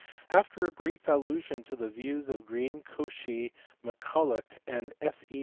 After a brief allusion to the views of Green, Cauchy, Mac Cullagh, and F. E.